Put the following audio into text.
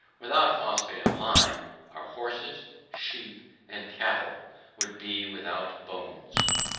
Without phosphate of lime our horses, sheep and cattle, would be without bones.